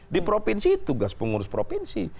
di provinsi tugas pengurus provinsi